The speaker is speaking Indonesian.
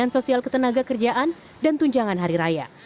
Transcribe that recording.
bantuan sosial ketenaga kerjaan dan tunjangan hari raya